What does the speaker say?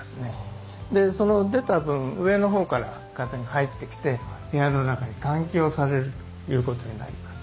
出た分上のほうから風が入ってきて部屋の中に換気をされるということになります。